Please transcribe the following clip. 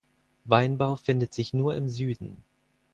Weinbau findet sich nur im Süden.